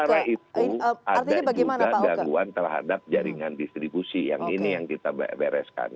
sementara itu ada juga gangguan terhadap jaringan distribusi yang ini yang kita bereskan